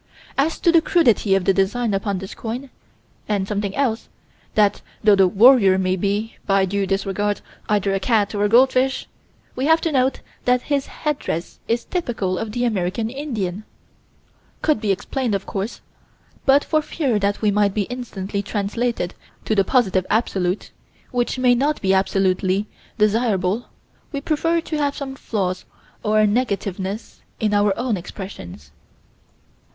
As to the crudity of design upon this coin, and something else that, though the "warrior" may be, by due disregards, either a cat or a goldfish, we have to note that his headdress is typical of the American Indian could be explained, of course, but for fear that we might be instantly translated to the Positive Absolute, which may not be absolutely desirable, we prefer to have some flaws or negativeness in our own expressions.